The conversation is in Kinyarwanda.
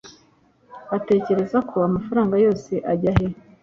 utekereza ko amafaranga yose ajya he